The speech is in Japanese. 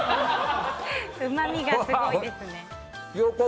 うまみがすごいですね。